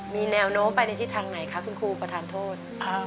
มีแนวโน้มไปในทิศทางไหนคะคุณครูประทานโทษ